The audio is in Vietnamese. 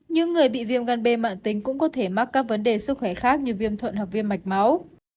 những người bị viêm gan b mạng tính cũng có thể mắc các vấn đề sức khỏe khác như viêm thuận học viên mạch máu